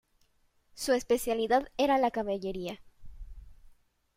Su especialidad era la caballería.